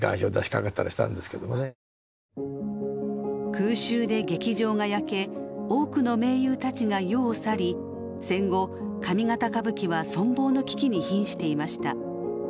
空襲で劇場が焼け多くの名優たちが世を去り戦後上方歌舞伎は存亡の危機にひんしていました。